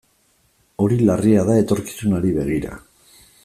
Hori larria da etorkizunari begira.